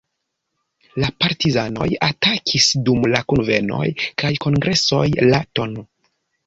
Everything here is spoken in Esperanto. La "Partizanoj" atakis dum la kunvenoj kaj kongresoj la tn.